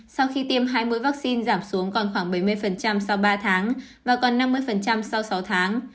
sau khi tiêm hai mươi vaccine giảm xuống còn khoảng bảy mươi sau ba tháng và còn năm mươi sau sáu tháng